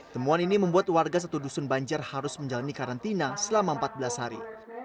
temuan ini membuat warga satu dusun banjar harus menjalani karantina selama empat belas hari